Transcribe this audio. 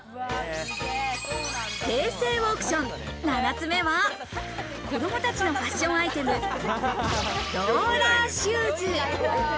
平成オークション７つ目は、子供たちのファッションアイテム、ローラーシューズ。